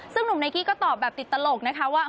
ซึ่งหนุ่มไนกี้ก็ตอบแบบติดตลกนะคะว่า